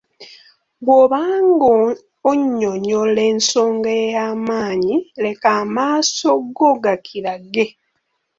Bw’oba nga onnyonnyola ensonga ey’amaanyi leka amaaso go gakirage.